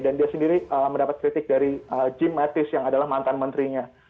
dan dia sendiri mendapat kritik dari jim mattis yang adalah mantan menterinya